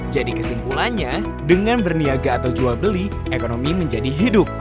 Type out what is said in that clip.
jadi kesimpulannya dengan berniaga atau jual beli ekonomi menjadi hidup